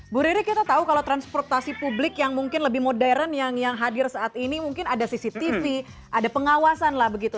bu riri kita tahu kalau transportasi publik yang mungkin lebih modern yang hadir saat ini mungkin ada cctv ada pengawasan lah begitu